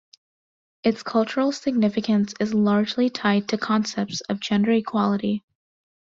Its cultural significance is largely tied to concepts of gender equality.